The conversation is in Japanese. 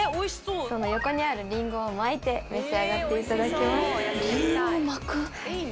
横にあるりんごを巻いて召し上がっていただきます。